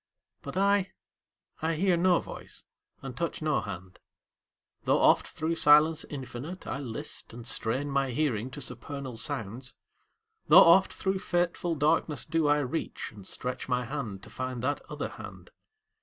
But I I hear no voice and touch no hand, Tho' oft thro' silence infinite I list, And strain my hearing to supernal sounds; Tho' oft thro' fateful darkness do I reach, And stretch my hand to find that other hand.